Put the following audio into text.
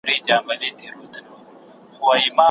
اقتصادي پرمختګ له سياسي ثبات سره تړلی دی.